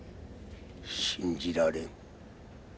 信じられん。